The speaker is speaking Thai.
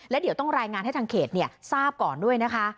แล้วเดี๋ยวต้องรายงานให้ทางเขตทราบก่อนด้วยนะคะ